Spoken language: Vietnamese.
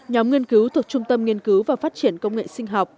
nhóm nghiên cứu thuộc trung tâm nghiên cứu và phát triển công nghệ sinh học